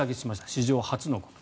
史上初のこと。